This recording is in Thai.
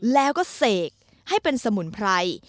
แล้วก็เสกให้เป็นสมุนไพร